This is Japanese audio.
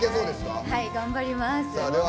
頑張ります。